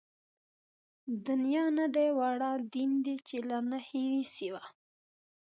دنيا نه ده واړه دين دئ چې له نَهېِ وي سِوا